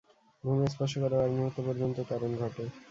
ভূমি স্পর্শ করার আগ মুহূর্ত পর্যন্ত ত্বরণ ঘটে।